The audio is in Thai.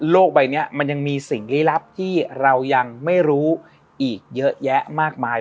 ใบนี้มันยังมีสิ่งลี้ลับที่เรายังไม่รู้อีกเยอะแยะมากมาย